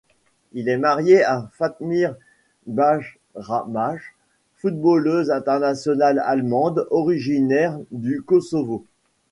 Il est marié à Fatmire Bajramaj, footballeuse internationale allemande, originaire du Kosovo.